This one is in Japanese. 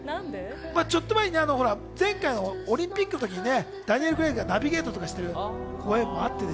ちょっと前に前回のオリンピックの時、ダニエル・クレイグがナビゲートとかしてたこともあった。